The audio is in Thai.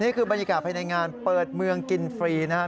นี่คือบรรยากาศภายในงานเปิดเมืองกินฟรีนะครับ